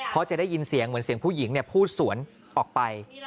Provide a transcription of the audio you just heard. เพราะจะได้ยินเสียงเหมือนเสียงผู้หญิงพูดสวนออกไป